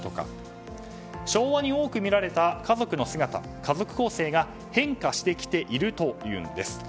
昭和に多く見られた家族の姿、家族構成が変化してきているというんです。